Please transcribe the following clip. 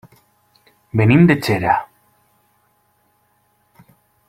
Venim de Xera.